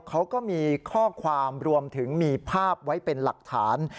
เขาก็มีข้อความรวมถึงมีภาพไว้เป็นหลักฐาน